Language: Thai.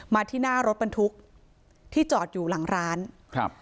มาที่หน้ารถบรรทุกที่จอดอยู่หลังร้านครับ